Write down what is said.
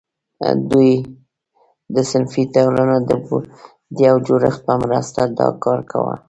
دوی د صنفي ټولنو د یو جوړښت په مرسته دا کار کاوه.